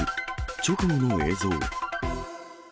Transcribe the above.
直後の映像。